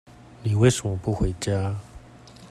你為什麼不回家？